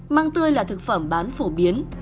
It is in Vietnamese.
măng tươi là thực phẩm bán phổ biến